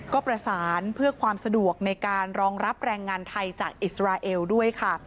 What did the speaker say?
ก็ประสานเพื่อความสะดวกในการรองรับแรงงานไทยจากอิสราเอลด้วยค่ะ